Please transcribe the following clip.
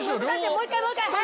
もう１回もう１回！